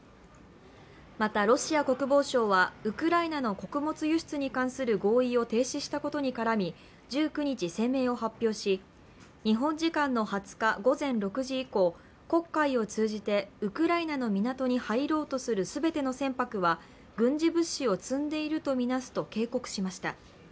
また、ロシア国防省はウクライナの穀物輸出に関する合意を停止したことに絡み１９日声明を発表し日本時間の２０日午前６時以降、黒海を通じてウクライナの港に入ろうとする全ての船舶は軍事物資を積んでいるとみなすと警告しました。